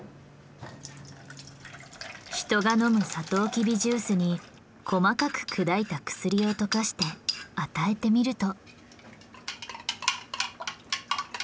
人が飲むサトウキビジュースに細かく砕いた薬を溶かして与えてみると。